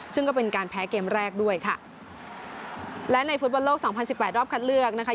ซึ่งก็เป็นการแพ้เกมแรกด้วยค่ะและในฟุตบอลโลกสองพันสิบแปดรอบคัดเลือกนะคะ